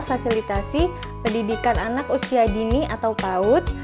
fasilitasi pendidikan anak usia dini atau paut